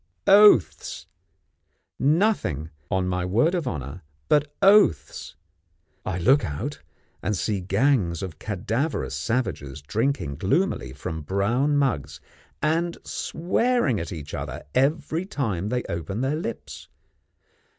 Oaths, nothing, on my word of honour, but oaths! I look out, and see gangs of cadaverous savages drinking gloomily from brown mugs, and swearing at each other every time they open their lips.